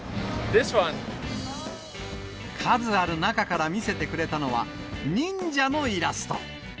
数ある中から見せてくれたのは、忍者のイラスト。